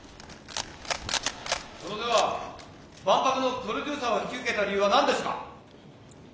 それでは万博のプロデューサーを引き受けた理由は何ですか？